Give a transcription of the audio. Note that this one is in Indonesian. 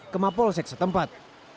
ke mapol seksetempat